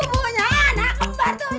punya anak keempat tujuh